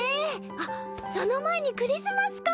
あっその前にクリスマスか。